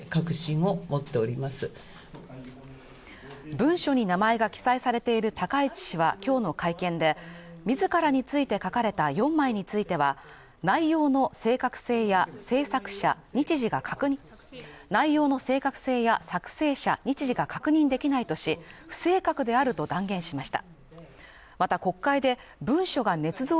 文書に名前が記載されている高市氏は今日の会見で自らについて書かれた４枚については、内容の正確性や作成者日時が確認できないとし不正確であると断言しました。